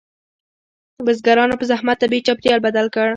بزګرانو په زحمت طبیعي چاپیریال بدل کړ.